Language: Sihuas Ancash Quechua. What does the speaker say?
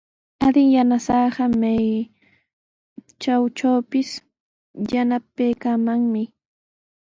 Adin yanasaaqa may chaytrawpis yanapaykamanmi.